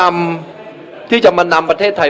ไม่ว่าจะเป็นท่าน